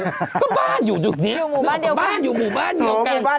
ก็บ้านอยู่อยู่นี้บ้านอยู่หมู่บ้านเดียวกัน